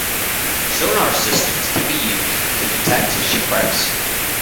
Sonar systems can be used to detect shipwrecks.